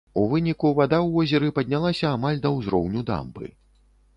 У выніку вада ў возеры паднялася амаль да ўзроўню дамбы.